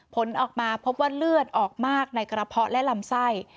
ผลออกมาพบว่าเลือดออกมากในกระเพาะและลำไส้